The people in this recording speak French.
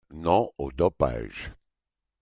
Non au dopage